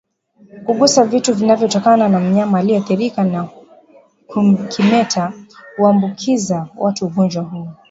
Kugusa vitu vinavyotokana na mnyama aliyeathirika na kimeta huambukiza watu ugonjwa huu